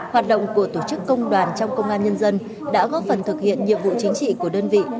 hoạt động của tổ chức công đoàn trong công an nhân dân đã góp phần thực hiện nhiệm vụ chính trị của đơn vị